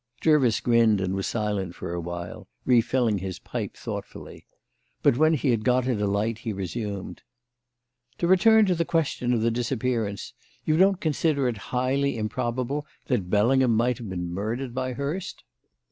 Jervis grinned and was silent for a while, refilling his pipe thoughtfully; but when he had got it alight he resumed. "To return to the question of the disappearance; you don't consider it highly improbable that Bellingham might have been murdered by Hurst?"